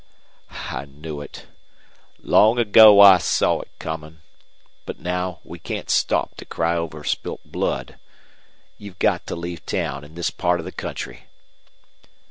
"I knew it. Long ago I saw it comin'. But now we can't stop to cry over spilt blood. You've got to leave town an' this part of the country."